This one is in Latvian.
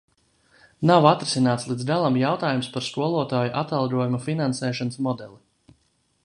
Nav atrisināts līdz galam jautājums par skolotāju atalgojuma finansēšanas modeli.